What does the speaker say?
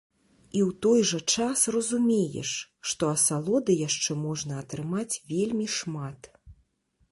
І ў той жа час разумееш, што асалоды яшчэ можна атрымаць вельмі шмат.